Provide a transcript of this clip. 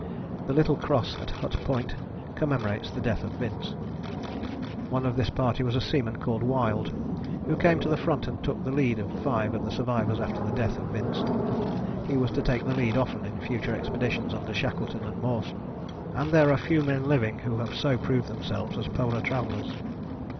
The little cross at Hut Point commemorates the death of Vince. One of this party was a seaman called Wild, who came to the front and took the lead of five of the survivors after the death of Vince. He was to take the lead often in future expeditions under Shackleton and Mawson, and there are few men living who have so proved themselves as polar travellers.